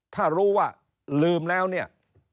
ถ้ารู้ว่าลืมแล้วเนี่ย